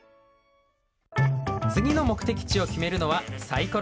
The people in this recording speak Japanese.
次の目的地を決めるのはサイコロ。